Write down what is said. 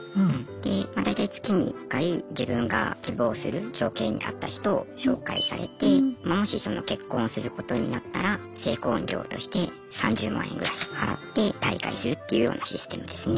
まあ大体月に１回自分が希望する条件に合った人を紹介されてまもし結婚することになったら成婚料として３０万円ぐらい払って退会するっていうようなシステムですね。